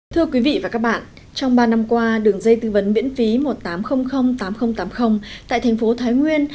thưa quý vị và các bạn trong ba năm qua đường dây tư vấn miễn phí một tám không không tám không tám không tại thành phố thái nguyên